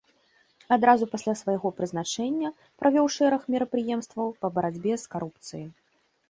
Адразу пасля свайго прызначэння правёў шэраг мерапрыемстваў па барацьбе з карупцыяй.